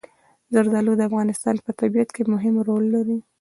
زردالو د افغانستان په طبیعت کې مهم رول لري.